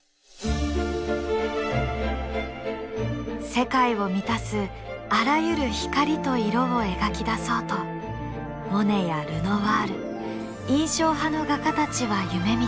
世界を満たすあらゆる光と色を描き出そうとモネやルノワール印象派の画家たちは夢みた。